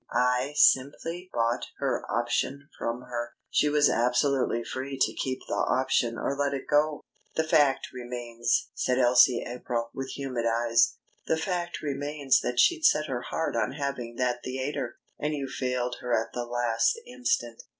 I simply bought her option from her. She was absolutely free to keep the option or let it go." "The fact remains," said Elsie April, with humid eyes, "the fact remains that she'd set her heart on having that theatre, and you failed her at the last instant.